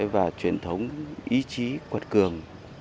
và truyền thống ý chí quật cường